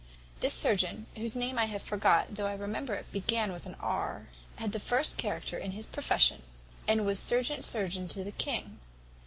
"This surgeon, whose name I have forgot, though I remember it began with an R, had the first character in his profession, and was serjeant surgeon to the king.